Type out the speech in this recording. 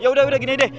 ya udah udah gini deh